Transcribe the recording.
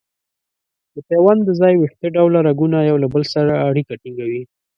د پیوند د ځای ویښته ډوله رګونه یو له بل سره اړیکه ټینګوي.